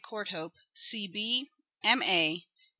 Courthope, C.B., M.A.